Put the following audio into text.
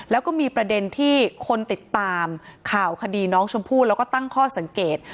แล้วก็มีประเด็นที่คนติดตามข่าวคดีน้องชมพู่แล้วก็ตั้งข้อสังเกต